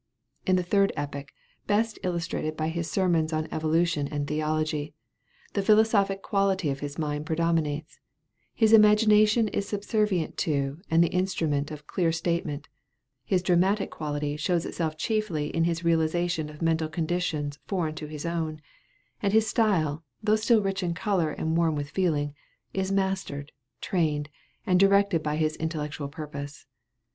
In the third epoch, best illustrated by his sermons on Evolution and Theology, the philosophic quality of his mind predominates; his imagination is subservient to and the instrument of clear statement, his dramatic quality shows itself chiefly in his realization of mental conditions foreign to his own, and his style, though still rich in color and warm with feeling, is mastered, trained, and directed by his intellectual purpose.